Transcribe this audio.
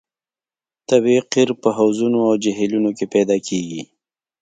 طبیعي قیر په حوضونو او جهیلونو کې پیدا کیږي